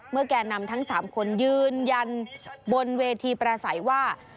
เมื่อแกนำทั้งสามคนยืนยันบนเวทีประสัยว่า